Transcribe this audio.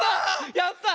やったわ！